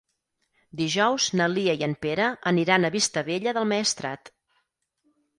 Dijous na Lia i en Pere aniran a Vistabella del Maestrat.